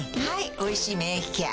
「おいしい免疫ケア」